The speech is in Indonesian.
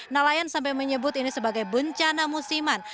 nelayan sampai menyebut ini sebagai bencana musiman